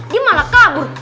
dia malah kabur